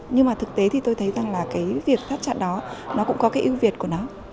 nhưng mà thực tế thì tôi thấy rằng là cái việc thắt chặt đó nó cũng có cái ưu việt của nó